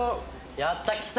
やったきた！